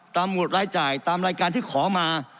หมวดรายจ่ายตามรายการที่ขอมา